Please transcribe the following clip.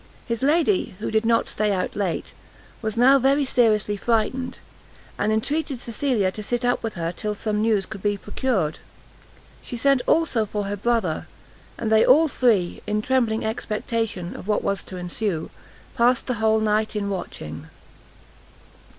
His lady, who did not stay out late, was now very seriously frightened, and entreated Cecilia to sit up with her till some news could be procured; she sent also for her brother, and they all three, in trembling expectation of what was to ensue, passed the whole night in watching.